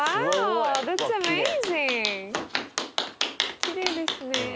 きれいですね。